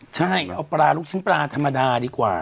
ใช่เอาปลาลูกชิ้นปลาธรรมดาดีกว่า